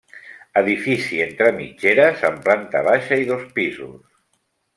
Edifici entre mitgeres amb planta baixa i dos pisos.